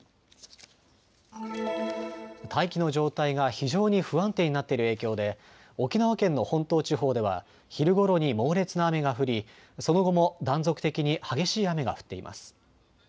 大気の状態が非常に不安定になっている影響で沖縄県の本島地方では昼ごろに猛烈な雨が降り、その後も断続的に激しい雨が降っています。